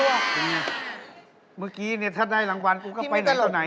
เมื่อกี้ถ้าได้รางวัลก็ไปไหนตัวไหน